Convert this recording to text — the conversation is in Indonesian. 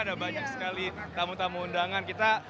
ada banyak sekali tamu tamu undangan kita